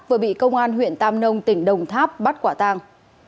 vừa bị công an huyện tam nông tỉnh đồng tháp bắt quả tang